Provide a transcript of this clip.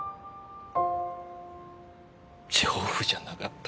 情婦じゃなかった。